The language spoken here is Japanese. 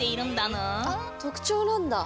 あっ特徴なんだ。